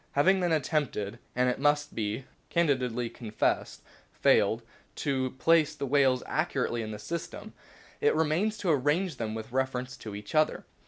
Having then attempted, and, it must be candidly confessed, failed, to place the whales accurately in the system, it remains to arrange them with reference to each other.